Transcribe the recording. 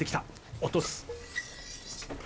落とす。